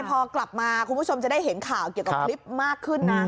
พอกลับมาคุณผู้ชมจะได้เห็นข่าวเกี่ยวกับคลิปมากขึ้นนะ